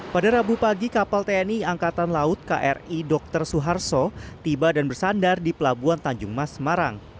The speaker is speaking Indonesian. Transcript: pada rabu pagi kapal tni angkatan laut kri dr suharto tiba dan bersandar di pelabuhan tanjung mas semarang